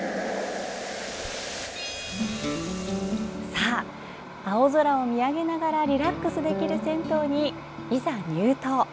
さあ、青空を見上げながらリラックスできる銭湯にいざ入湯。